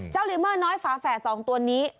เจ้าลีเมอร์น้อยฟ้าแฝดสองตัวนี้